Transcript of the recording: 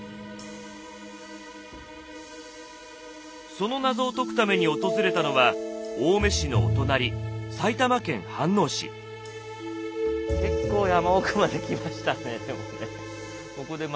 その謎を解くために訪れたのは青梅市のお隣結構山奥まで来ましたねでもね。